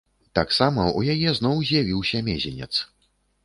Таксама ў яе зноў з'явіўся мезенец.